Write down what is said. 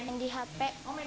main di hp